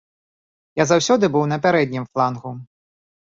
Я заўсёды быў на пярэднім флангу.